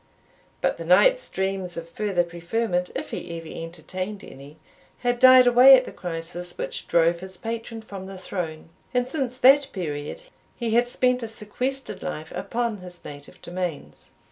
But the Knight's dreams of further preferment, if he ever entertained any, had died away at the crisis which drove his patron from the throne, and since that period he had spent a sequestered life upon his native domains.